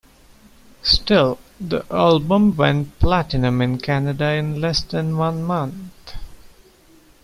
Still, the album went platinum in Canada in less than one month.